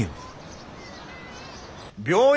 病院